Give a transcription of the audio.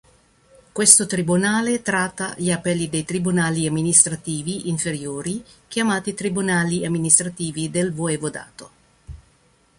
Questo tribunale tratta gli appelli dei tribunali amministrativi inferiori, chiamati "tribunali amministrativi del voivodato".